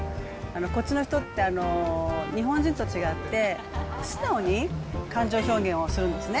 こっちの人って日本人と違って素直に感情表現をするんですね。